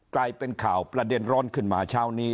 กลายเป็นข่าวประเด็นร้อนขึ้นมาเช้านี้